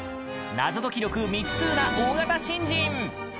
謎解き力未知数な大型新人。